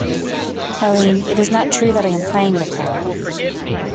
Helene, it is not true that I am playing with her.